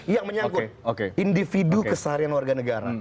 yang menyangkut individu keseharian warga negara